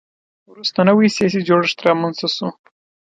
وروسته نوی سیاسي جوړښت رامنځته شو